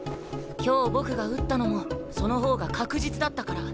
今日僕が打ったのもその方が確実だったから。